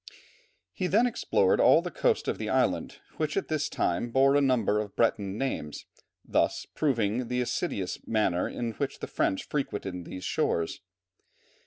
He then explored all the coast of the island, which at this time bore a number of Breton names, thus proving the assiduous manner in which the French frequented these shores.